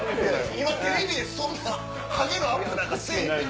今テレビでそんなハゲのアップなんかせぇへん！